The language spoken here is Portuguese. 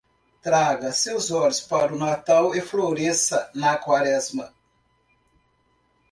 Traga seus olhos para o Natal e floresça na Quaresma.